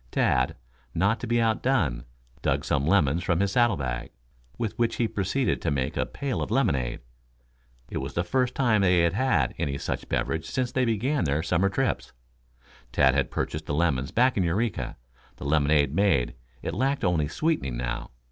Tad, not to be out done, dug some lemons from his saddle bag, with which he proceeded to make a pail of lemonade. It was the first time they had had any such beverage since they began their summer trips. Tad had purchased the lemons back in Eureka. The lemonade made, it lacked only sweetening now.